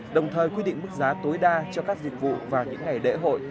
đồng thời quy định mức giá tối đa cho các dịch vụ vào những ngày lễ hội